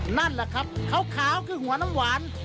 นั่นแหละครับขาวคือหัวน้ำหวาน